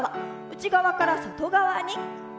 内側から外側に。